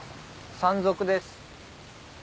山賊です。